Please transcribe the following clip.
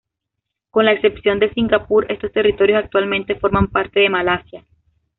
Con la excepción de Singapur, estos territorios actualmente forman parte de Malasia.